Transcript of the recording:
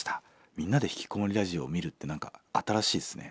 「みんなでひきこもりラジオ」を見るって何か新しいですね。